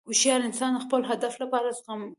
هوښیار انسان د خپل هدف لپاره زغم لري.